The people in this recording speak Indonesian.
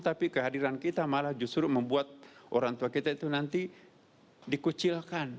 tapi kehadiran kita malah justru membuat orang tua kita itu nanti dikucilkan